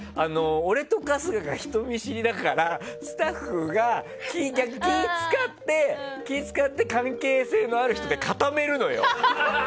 俺と春日が人見知りだからスタッフが気を使って関係性のある人で固めるのよ。